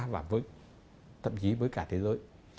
và thậm chí với cả thế giới